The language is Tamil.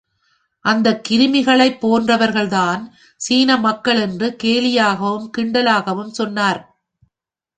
அந்தக் கிருமிகளைப் போன்றவர்கள்தாம் சீன மக்கள் என்று கேலியாகவும் கிண்டலாகவும் சொன்னார்.